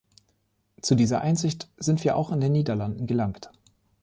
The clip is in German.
Zu dieser Einsicht sind wir auch in den Niederlanden gelangt.